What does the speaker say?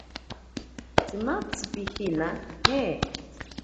Tsimatzi pijina? ¿je?